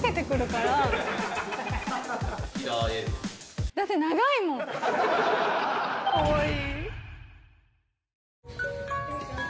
かわいい。